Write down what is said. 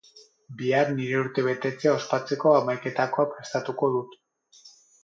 Bihar nire urtebetetzea ospatzeko hamaiketakoa prestatuko dut.